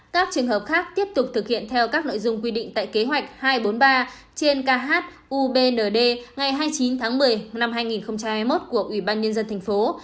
các trường hợp khác tiếp tục thực hiện theo các nội dung quy định tại kế hoạch hai trăm bốn mươi ba trên khubnd ngày hai mươi chín tháng một mươi năm hai nghìn hai mươi một của ủy ban nhân dân thành phố